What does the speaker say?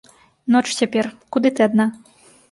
Ноч цяпер, куды ты адна?